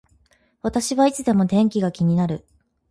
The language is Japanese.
私はいつでも天気が気になる